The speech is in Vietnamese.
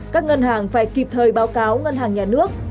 các ngân hàng phải kịp thời báo cáo ngân hàng nhà nước